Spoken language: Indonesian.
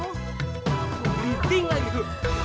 gua meeting lagi lu